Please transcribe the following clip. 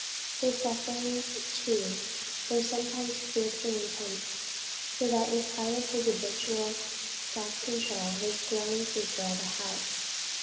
His sufferings too were sometimes fearfully intense, so that in spite of his habitual self control, his groans would fill the house.